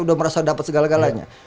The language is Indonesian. udah merasa dapat segala galanya